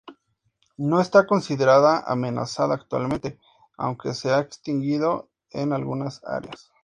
No está considerada amenazada actualmente, aunque se ha extinguido en algunas áreas.